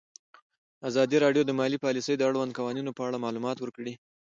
ازادي راډیو د مالي پالیسي د اړونده قوانینو په اړه معلومات ورکړي.